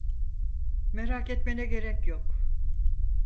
Merak etmene gerek yok.